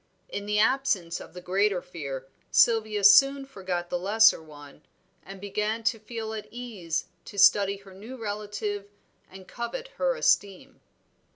In the absence of the greater fear, Sylvia soon forgot the lesser one, and began to feel at ease to study her new relative and covet her esteem.